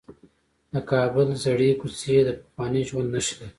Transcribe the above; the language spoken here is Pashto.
د کابل زړې کوڅې د پخواني ژوند نښې لري.